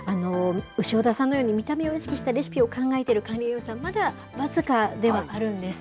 潮田さんのように、見た目を意識したレシピを考えている管理栄養士さん、まだ僅かではあるんです。